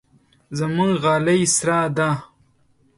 زموږ غالۍ سره ده.